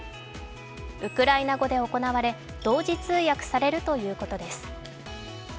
ウクライナ語で行われ同時通訳されるということです。